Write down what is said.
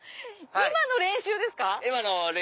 今の練習です。